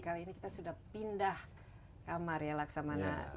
kali ini kita sudah pindah kamar ya laksamana